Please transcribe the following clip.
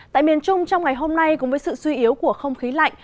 tại miền trung trong ngày hôm nay cùng với sự suy yếu của không khí lạnh